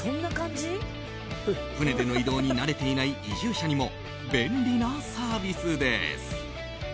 船での移動に慣れていない移住者にも、便利なサービスです。